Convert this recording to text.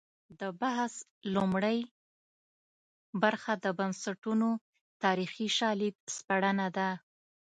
د بحث لومړۍ برخه د بنسټونو تاریخي شالید سپړنه ده.